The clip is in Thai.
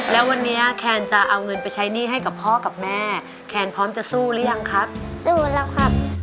แล้ววันนี้แคลจะเอาเงินไปใช้หนี้ให้กับพ่อกับแม่